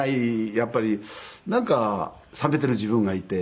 やっぱりなんか冷めている自分がいて。